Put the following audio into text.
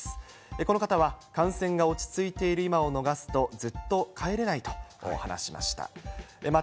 この方は、感染が落ち着いている今を逃すと、ずっと帰れないと話しました。